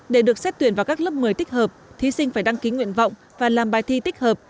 để được xét tuyển vào các lớp một mươi tích hợp thí sinh phải đăng ký nguyện vọng và làm bài thi tích hợp